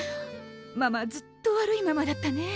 ママずっと悪いママだったね。